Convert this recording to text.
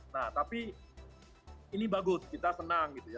nah tapi ini bagus kita senang gitu ya